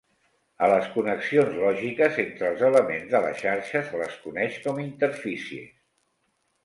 A les connexions lògiques entre els elements de la xarxa se les coneix com interfícies.